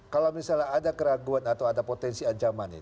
kalau misalnya ada keraguan atau ada potensi ancaman itu